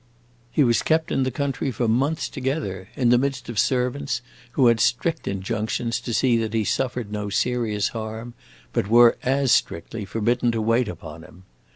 He was kept in the country for months together, in the midst of servants who had strict injunctions to see that he suffered no serious harm, but were as strictly forbidden to wait upon him.